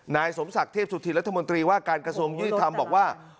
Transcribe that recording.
นายสมศักดิ์เทพสุธินรัฐมนตรีว่าการกระทรวงยุติธรรมบอกว่า